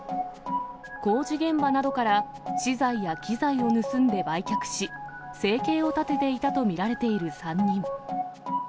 工事現場などから資材や機材を盗んで売却し、生計を立てていたと見られる３人。